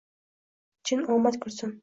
Chin omad kulsin!